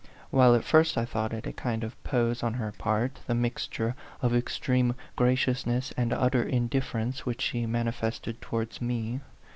Well, at first I thought it a kind of pose on her part the mixture of extreme gracious ness and utter indifference which she mani fested towards me.